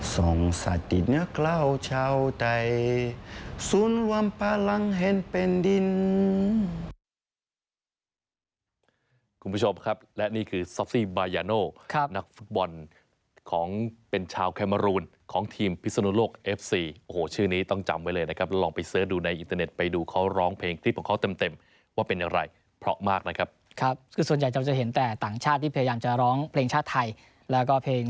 ส่องสติดเนื้อกล้าวชาวใดศูนย์หวามพลังเห็นเป็นดิน